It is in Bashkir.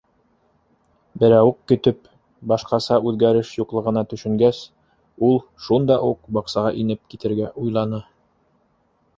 Берауыҡ көтөп, башҡаса үҙгәреш юҡлығына төшөнгәс, ул шунда уҡ баҡсаға инеп китергә уйланы.